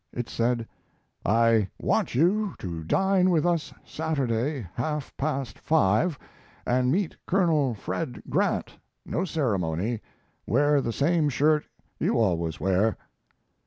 It said: I want you to dine with us Saturday half past five and meet Col. Fred Grant. No ceremony. Wear the same shirt you always wear.